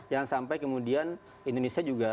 jangan sampai kemudian indonesia juga